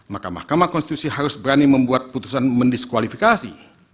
maka mahkamah konstitusi harus berani membuat putusan mendiskualifikasi